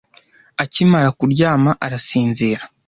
Akimara kuryama, arasinzira.